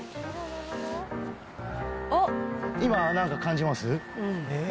今、何か感じます？